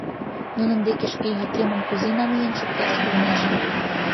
Нунын деке шке йӱкемым кузе намиен шукташ улнеже?